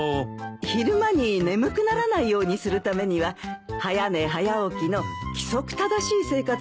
昼間に眠くならないようにするためには早寝早起きの規則正しい生活がいいですよ。